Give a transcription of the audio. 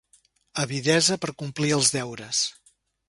Avidesa per complir els deures.